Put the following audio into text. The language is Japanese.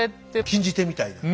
禁じ手みたいな。